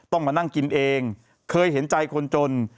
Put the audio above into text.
ต้องมานั่งกินเองเคยเห็นใจคนจน